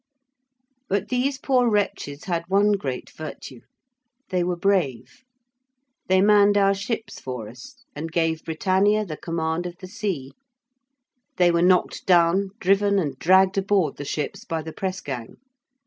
But these poor wretches had one great virtue they were brave: they manned our ships for us and gave Britannia the command of the sea: they were knocked down, driven and dragged aboard the ships by the press gang.